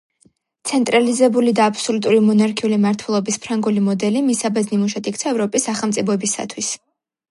ცენტრალიზებული და აბსოლუტური მონარქიული მართველობის ფრანგული მოდელი მისაბაძ ნიმუშად იქცა ევროპის სახელმწიფოებისათვის.